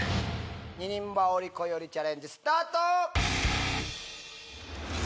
二人羽織こよりチャレンジスタート！